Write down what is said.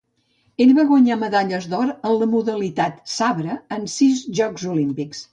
Ell va guanyar medalles d'or en la modalitat sabre en sis Jocs Olímpics.